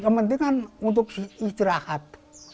kepentingan untuk istirahat